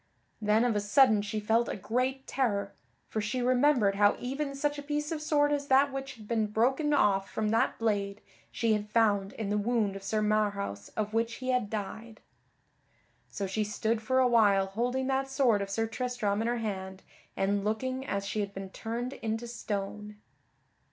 Then of a sudden she felt a great terror, for she remembered how even such a piece of sword as that which had been broken off from that blade, she had found in the wound of Sir Marhaus of which he had died. So she stood for a while holding that sword of Sir Tristram in her hand and looking as she had been turned into stone.